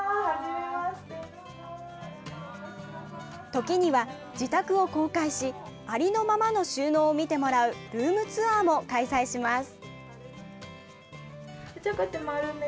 時には、自宅を公開しありのままの収納を見てもらうルームツアーも開催します。